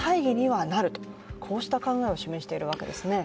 萩生田政調会長はこうした考えを示しているわけですね。